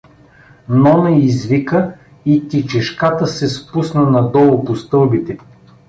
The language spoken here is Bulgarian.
Нона извика и тичешката се спусна надолу по стълбите.